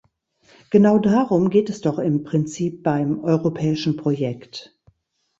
Genau darum geht es doch im Prinzip beim europäischen Projekt.